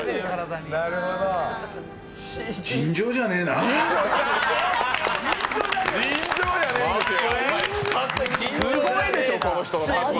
すごいでしょう、この人。